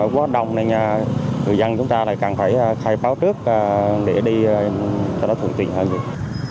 vì quê chốt là nỗi quá đông nên người dân chúng ta lại càng phải khai báo trước để đi cho nó thường trình hơn